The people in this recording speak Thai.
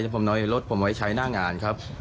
ผมน้อยรถผมไว้ใช้หน้างานครับ